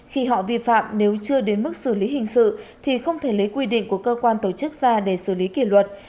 khi họ vi phạm nếu chưa đến mức xử lý hình sự thì không thể lấy quy định của cơ quan tổ chức ra để xử lý kỷ luật